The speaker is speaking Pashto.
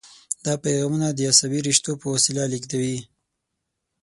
دا پیغامونه د عصبي رشتو په وسیله لیږدوي.